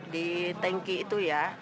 di tanki itu ya